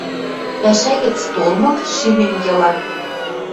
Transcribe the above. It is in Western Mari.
Пӓшӓ гӹц толмык, шӱмем йыла.